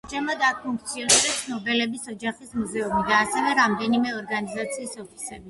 ამჟამად აქ ფუნქციონირებს ნობელების ოჯახის მუზეუმი და ასევე რამდენიმე ორგანიზაციის ოფისები.